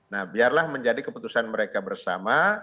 nah biarlah menjadi keputusan mereka bersama